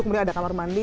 kemudian ada kamar mandi